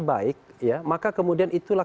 baik maka kemudian itulah